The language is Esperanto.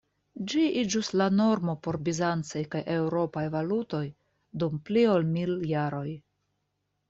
Ĝi iĝus la normo por bizancaj kaj eŭropaj valutoj dum pli ol mil jaroj.